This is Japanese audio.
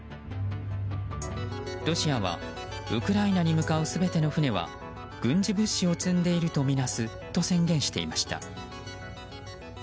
ロシアはウクライナに向かう全ての船は軍事物資を積んでいるとみなすと宣言していました。